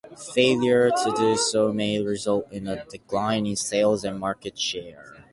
Failure to do so may result in a decline in sales and market share.